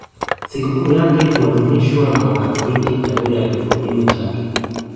Sikukuu yake huadhimishwa na Wakatoliki tarehe ya kifodini chake.